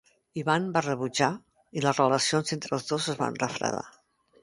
Ivan va rebutjar i les relacions entre els dos es van refredar.